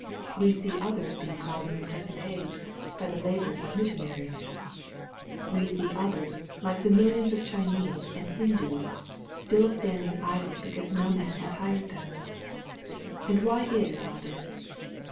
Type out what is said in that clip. We see others being called in the present age, by the labors of missionaries. We see others, Hke the millions of Chinese and Hindoos, still " standing idle, because no man hath hired them." — And why is all this